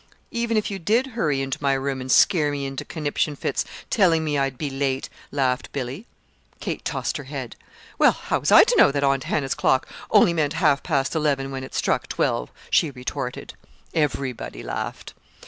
"Even if you did hurry into my room and scare me into conniption fits telling me I'd be late," laughed Billy. Kate tossed her head. "Well, how was I to know that Aunt Hannah's clock only meant half past eleven when it struck twelve?" she retorted. Everybody laughed.